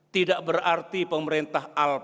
tidak berarti pemerintah alam